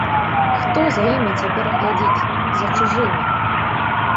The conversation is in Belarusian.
Хто за імі цяпер глядзіць, за чужымі?